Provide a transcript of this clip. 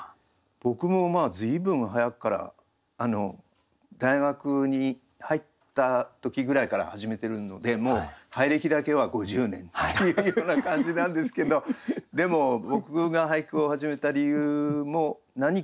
僕も随分早くから大学に入った時ぐらいから始めてるのでもう俳歴だけは５０年っていうような感じなんですけどでも僕が俳句を始めた理由も何かを。